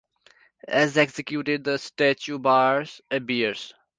As executed, the statue bears little to no resemblance to Cooper's Sacagawea.